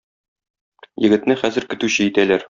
Егетне хәзер көтүче итәләр.